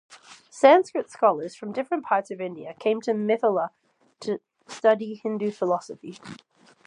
Sanskrit scholars from different parts of India came to Mithila to study Hindu Philosophy.